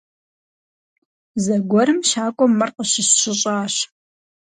Зэгуэрым щакӀуэм мыр къыщысщыщӀащ.